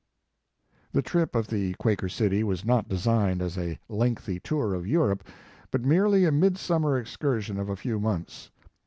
The trip of the "Quaker City" was not designed as a lengthy tour of Europe, but merely a midsummer excursion of a few months.